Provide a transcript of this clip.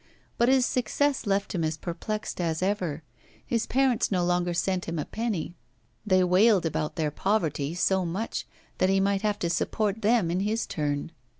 But his success left him as perplexed as ever. His parents no longer sent him a penny, they wailed about their poverty so much that he might have to support them in his turn.